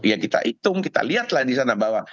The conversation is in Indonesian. ya kita hitung kita lihatlah di sana bahwa